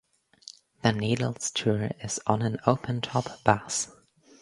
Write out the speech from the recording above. The Needles Tour is on an open top bus.